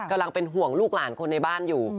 กำลังเป็นห่วงลูกหลานคนในบ้านอยู่